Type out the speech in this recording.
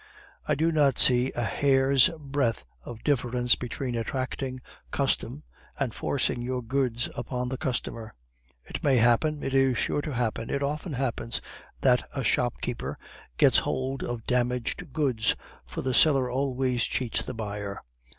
I do not see a hair's breadth of difference between attracting custom and forcing your goods upon the consumer. It may happen, it is sure to happen, it often happens, that a shopkeeper gets hold of damaged goods, for the seller always cheats the buyer.